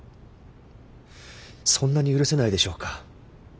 そんなに許せないでしょうか？